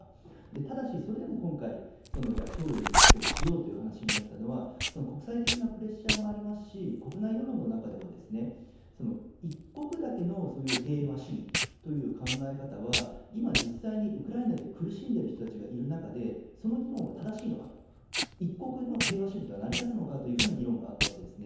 ただ、それでも今回供与をしようという話になったのは国際的なプレッシャーもありますし、国内世論の中でも、一国だけの平和主義という考え方は今、実際にウクライナで苦しんでいる人たちがいる中で、その議論は正しいのかと、一国の平和主義というのは成り立つのかという議論があったわけですね。